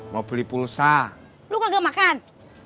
mau beli pulsa lu kagak makan